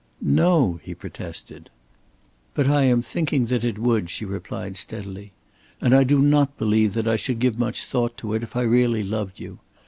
"No," he protested. "But I am thinking that it would," she replied, steadily, "and I do not believe that I should give much thought to it, if I really loved you.